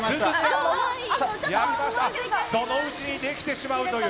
そのうちにできてしまうという。